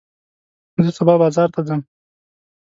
زه سبا بازار ته ځم.